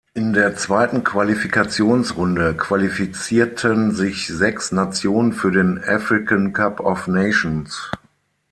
In der zweiten Qualifikationsrunde qualifizierten sich sechs Nationen für den "African Cup of Nations".